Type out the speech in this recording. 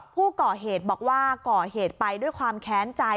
ผู้ก่อเหตุบอกว่าก่อเหตุไปด้วยความแค้นใจ